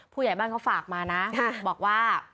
ผู้ใหญ่บ้านเขาฝากมานะบอกว่า